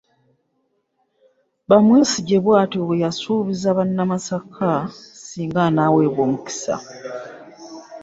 Bamwesigye bw’atyo bwe yasuubizza Bannamasaka singa anaaweebwa omukisa.